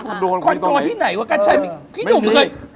คอนโดที่ไหน